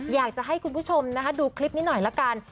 อยากจะให้คุณผู้ชมนะคะดูคลิปนี้หน่อยละกัน